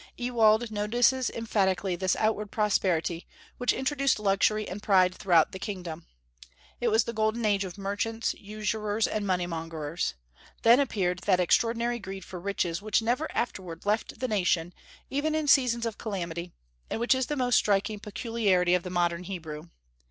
Ewald notices emphatically this outward prosperity, which introduced luxury and pride throughout the kingdom. It was the golden age of merchants, usurers, and money mongers. Then appeared that extraordinary greed for riches which never afterward left the nation, even in seasons of calamity, and which is the most striking peculiarity of the modern Hebrew.